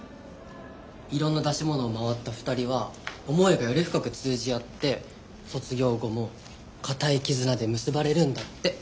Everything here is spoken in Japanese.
いろんな出し物を回った２人は思いがより深く通じ合って卒業後も固い絆で結ばれるんだって。